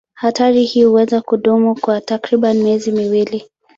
Hatari hii huweza kudumu kwa takriban miezi miwili.